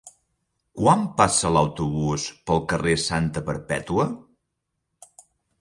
Quan passa l'autobús pel carrer Santa Perpètua?